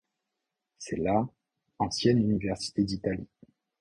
C'est la ancienne université d'Italie.